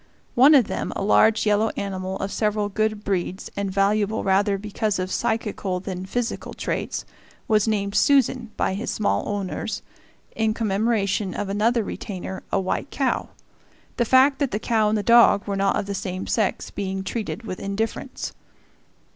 One of them, a large yellow animal of several good breeds and valuable rather because of psychical than physical traits, was named "Susan" by his small owners, in commemoration of another retainer, a white cow; the fact that the cow and the dog were not of the same sex being treated with indifference.